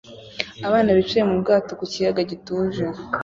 Abana bicaye mu bwato ku kiyaga gituje